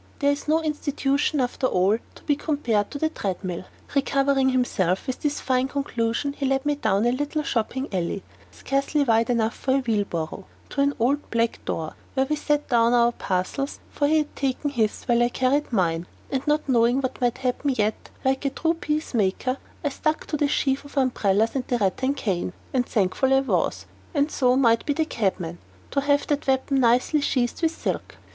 There is no institution, after all, to be compared to the tread mill." Recovering himself with this fine conclusion, he led me down a little sloping alley, scarcely wide enough for a wheelbarrow, to an old black door, where we set down our parcels; for he had taken his, while I carried mine, and not knowing what might happen yet, like a true peace maker I stuck to the sheaf of umbrellas and the rattan cane. And thankful I was, and so might be the cabman, to have that weapon nicely sheathed with silk.